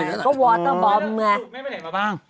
แม่ไปไหนก่อนบ้าง